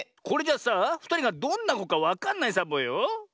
これじゃあさあふたりがどんなこかわかんないサボよ。